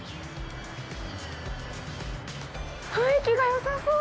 雰囲気がよさそう！